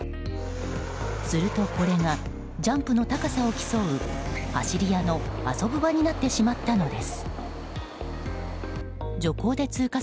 するとこれがジャンプの高さを競う走り屋の遊ぶ場になってしまったのです。